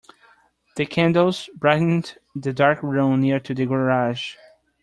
The candles brightened the dark room near to the garage.